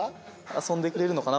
遊んでくれるのかな？